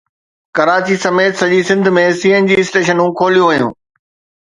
ڪراچي سميت سڄي Sindh ۾ C N G اسٽيشنون کوليون ويون